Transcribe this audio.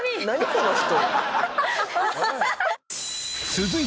この人。